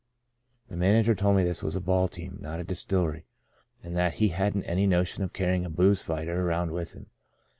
The manager told me this was a ball team, not a distillery, and that he hadn't any notion of carrying a booze fighter around with him.